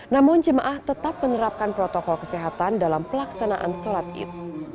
namun jemaah tetap menerapkan protokol kesehatan dalam pelaksanaan sholat id